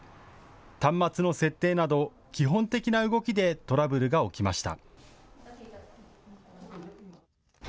端末の設定など基本的な動きでトラブルが起きました。